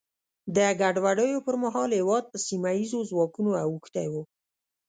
د ګډوډیو پر مهال هېواد په سیمه ییزو ځواکونو اوښتی و.